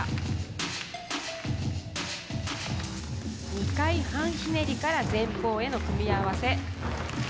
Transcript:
２回半ひねりから前方への組み合わせ。